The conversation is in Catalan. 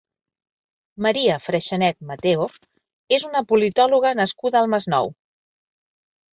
Maria Freixanet Mateo és una politòloga nascuda al Masnou.